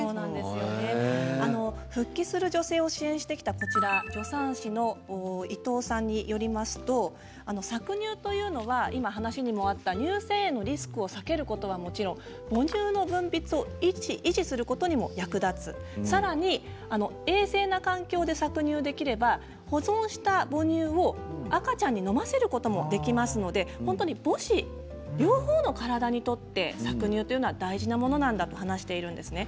復帰する女性を支援してきた助産師の伊藤さんによりますと搾乳というのは今、お話にもあった乳腺炎のリスクを避けることはもちろん母乳の分泌を維持することにも役立つさらに衛生な環境で搾乳できれば保存した母乳を赤ちゃんに飲ませることもできますので本当に母子両方の体にとって搾乳というのは大事なものなんだと話しているんですね。